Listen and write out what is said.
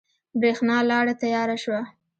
برېښنا لاړه تیاره شوه